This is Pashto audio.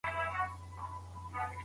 چنداني کار دي ندی کړی.